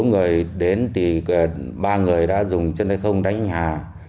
rồi đến thì ba người đã dùng chân tay không đánh hà